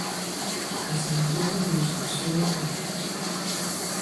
تزلزل روزافزون دولت